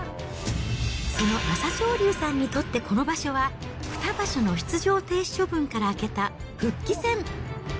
その朝青龍さんにとって、この場所は、２場所の出場停止処分から明けた復帰戦。